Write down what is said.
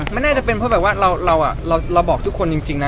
ไม่ได้เป็นเพราะเราบอกทุกคนอย่างจริงนะ